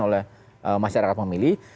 oleh masyarakat pemilih